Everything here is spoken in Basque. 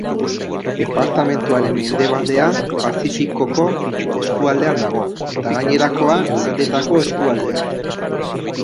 Departamenduaren mendebaldea Pazifikoko eskualdean dago eta gainerakoa Andeetako eskualdean.